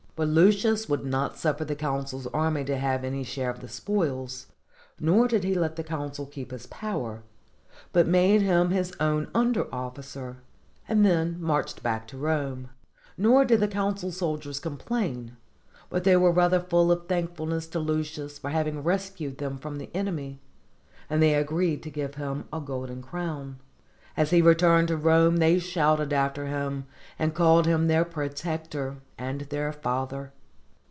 But Lucius would not suffer the consul's army to have any share of the spoil, nor did he let the consul keep his power, but made him his own under officer, and then marched back to Rome. Nor did the consul's soldiers complain; but they were rather full of thankful ness to Lucius for having rescued them from the enemy, and they agreed to give him a golden crown; as he re turned to Rome, they shouted after him, and called him their protector and their father.